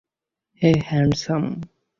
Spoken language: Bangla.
হেই, হ্যান্ডসাম।